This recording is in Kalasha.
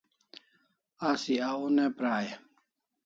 Asi au ne pra e?